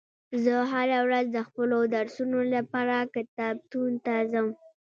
زه هره ورځ د خپلو درسونو لپاره کتابتون ته ځم